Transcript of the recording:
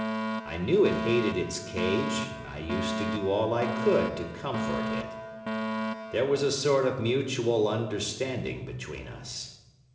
I knew it hated its cage, and I used to do all I could to comfort it. There was a sort of mutual understanding between us.